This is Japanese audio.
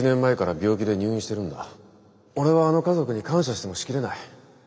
俺はあの家族に感謝してもしきれない。